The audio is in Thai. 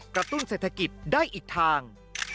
ตุ้นเศรษฐกิจได้อีกทาง